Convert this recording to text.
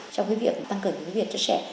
trong cái việc tăng cường tiếng việt cho trẻ